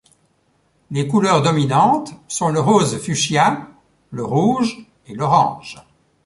Les couleurs dominantes sont le rose fuchsia, le rouge et l'orange.